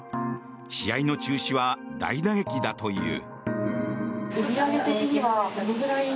試合の中止は大打撃だという。